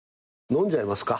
飲んじゃいますか。